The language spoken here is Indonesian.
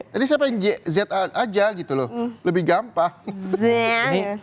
jadi saya pengen z aja gitu loh lebih gampang